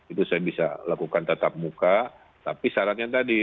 itu saya bisa lakukan tetap muka tapi syaratnya tadi